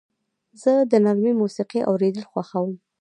زه د نرمې موسیقۍ اورېدل خوښوم.